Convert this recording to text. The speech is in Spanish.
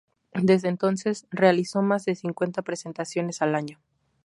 Desde entonces, realizó más de cincuenta presentaciones al año.